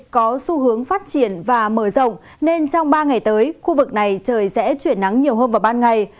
có xu hướng phát triển và mở rộng nên trong ba ngày tới khu vực này trời sẽ chuyển nắng nhiều hơn vào ban ngày